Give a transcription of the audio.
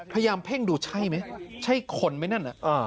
พยายามเพ่งดูใช่ไหมใช่คนไหมนั่นน่ะ